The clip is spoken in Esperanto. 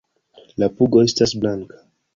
La pugo estas blanka.